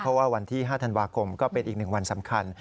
เพราะว่าวันที่๕ธันวาคมก็เป็นอีก๑วันสำคัญ